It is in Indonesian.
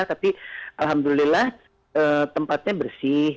tapi alhamdulillah tempatnya bersih